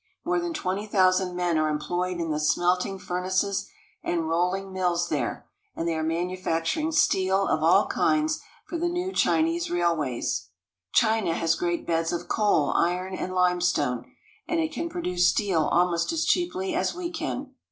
More than twenty thousand men are employed in the smelting furnaces and roUing mills there, and they are manufacturing steel of all kinds for the new Chinese railways. China has great beds of coal, iron, and limestone, and it can produce steel almost as cheaply as we can.